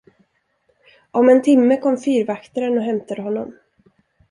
Om en timme kom fyrvaktaren och hämtade honom.